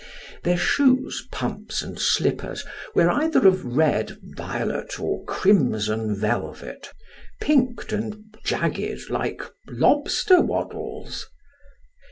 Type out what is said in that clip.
Their shoes, pumps, and slippers were either of red, violet, or crimson velvet, pinked and jagged like lobster waddles.